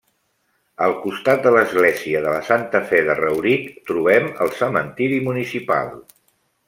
Al costat de l'església de la Santa Fe de Rauric, trobem el cementiri municipal.